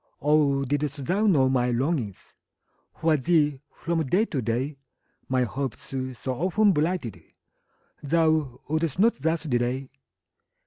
Oh, didst thou know my longings For thee, from day to day, My hopes, so often blighted, Thou wouldst not thus delay!